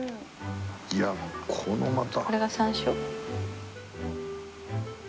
いやこのまた。